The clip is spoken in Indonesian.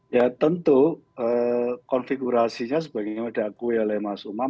ya tentu konfigurasinya sebagai yang anda akui oleh mas umam